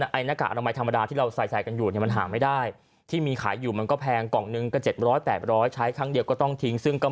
ซึ่งก็ไม่สามารถที่จะทำเวลาไปซื้อนะฮะ